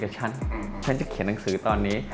ฉันจะเขียนหนังสือตอนนี้